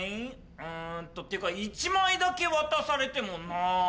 んとってか１枚だけ渡されてもなぁ。